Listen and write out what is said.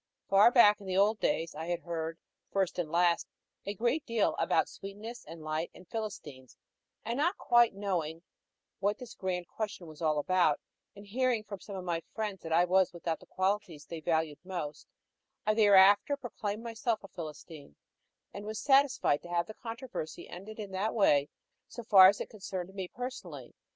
Far back in the old days I had heard, first and last, a great deal about sweetness and light and Philistines, and not quite knowing what this grand question was all about, and hearing from some of my friends that I was without the qualities they valued most, I thereafter proclaimed myself a Philistine, and was satisfied to have the controversy ended in that way, so far as it concerned me personally.